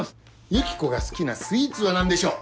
ユキコが好きなスイーツは何でしょう？